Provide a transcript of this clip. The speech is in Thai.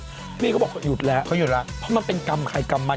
พี่พีชก็บอกเขาหยุดแล้วเพราะมันเป็นกรรมใครกรรมมัน